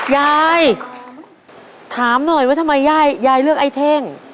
ยายถามหน่อยว่าทำไมยายเลือกไอ้เท่ง